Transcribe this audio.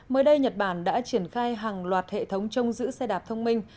mới đây nhật bản đã triển khai hàng loạt hệ thống trông giữ xe đạp thông minh